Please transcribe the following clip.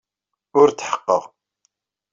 Ur tḥeqqeɣ.